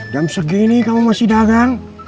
jam segini kamu masih dagang